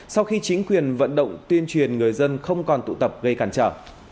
sau khi chính quyền vận động tuyên truyền người dân không còn tụ tập gây cản trở